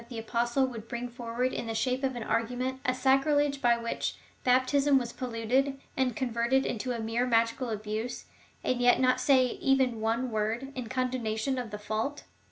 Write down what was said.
a likely thing tliat tlie Apostle would bring forward in the shape of an argument a sacrilege^ by which baptism was polluted, and converted into a mere magical abuse, and yet not say even one word in condemnation of the fault